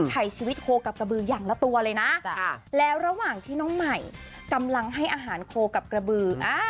ถ่ายชีวิตโคกับกระบืออย่างละตัวเลยนะแล้วระหว่างที่น้องใหม่กำลังให้อาหารโคกับกระบือ